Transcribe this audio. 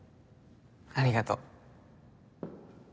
ありがとう。